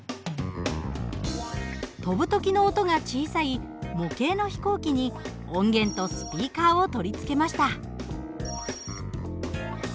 飛ぶ時の音が小さい模型の飛行機に音源とスピーカーを取り付けました。